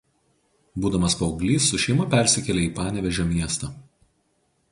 Būdamas paauglys su šeima persikėlė į Panevėžio miestą.